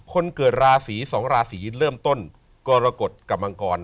คนเกิดราศีสองราศีเริ่มต้นกรกฎกับมังกร